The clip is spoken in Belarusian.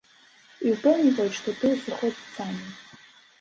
І ўпэўніваюць, што тыя сыходзяць самі.